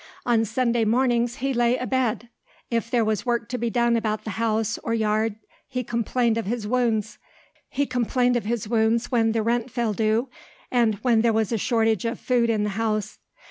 On Sunday mornings he lay abed. If there was work to be done about the house or yard he complained of his wounds. He complained of his wounds when the rent fell due, and when there was a shortage of food in the house.